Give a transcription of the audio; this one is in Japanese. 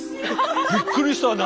びっくりした何。